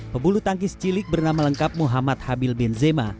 pembulu tangkis cilik bernama lengkap muhammad habil bin zema